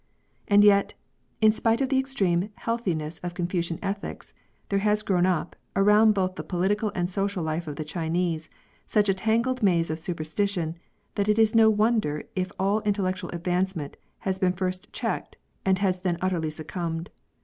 And yet, in spite of the extreme healthiness of Confucian ethics, there has grown up, around both the political and social life of the Chinese, such a tangled maze of superstition, that it is no wonder if all intellectual advancement has been first checked, and has then utterly succumbed.